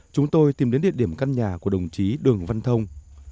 chúng tôi tìm đến địa điểm căn nhà của đồng chí đường văn thông